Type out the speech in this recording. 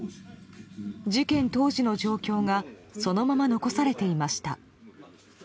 事件当時の状況がそのまま残されていました。